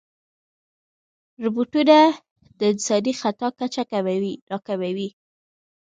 روبوټونه د انساني خطا کچه راکموي.